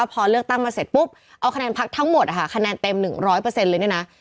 อ่าอ่าอ่าอ่าอ่าอ่าอ่าอ่า